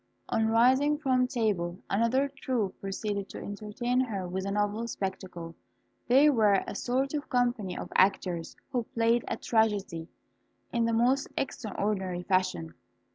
On rising from table, another troop proceeded to entertain her with a novel spectacle. They were a sort of company of actors, who played a tragedy in the most extraordinary fashion.